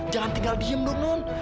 jangan tinggal diem dong non